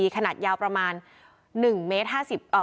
ขนาดยาวประมาณ๑เมตร๕๐